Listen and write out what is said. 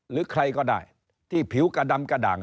หรือใครก็ได้ที่ผิวกระดำกระด่าง